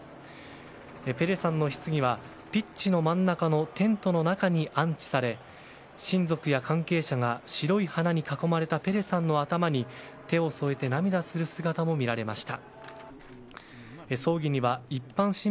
ペレさんのひつぎはピッチの真ん中のテントの中に安置され親族や関係者が白い花に囲まれたペレさんの頭に手を添えて涙する姿も見られました。